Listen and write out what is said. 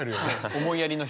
思いやりの人。